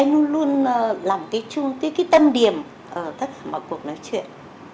dường như là anh luôn luôn làm cái chung cái tâm điểm ở tất cả mọi cuộc nói chuyện